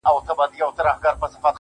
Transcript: که ستا د قبر جنډې هر وخت ښکلول گلونه~